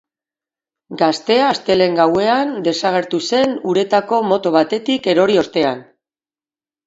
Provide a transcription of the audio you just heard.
Gaztea astelehen gauean desagertu zen uretako moto batetik erori ostean.